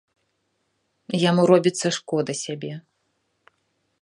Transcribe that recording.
Яму робіцца шкода сябе.